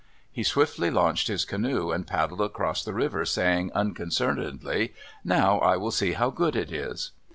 He swiftly launched his canoe, and paddled across the river, saying unconcernedly, "Now I will see how good it is."